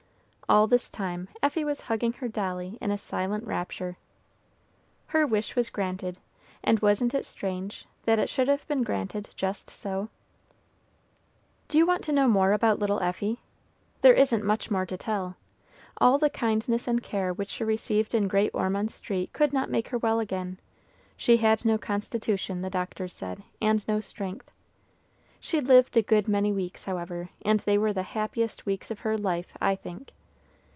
All this time Effie was hugging her dolly in a silent rapture. Her wish was granted, and wasn't it strange that it should have been granted just so? [Illustration: She stepped forward and laid the doll in Effie's hands. PAGE 282.] Do you want to know more about little Effie? There isn't much more to tell. All the kindness and care which she received in Great Ormond Street could not make her well again. She had no constitution, the doctors said, and no strength. She lived a good many weeks, however, and they were the happiest weeks of her life, I think.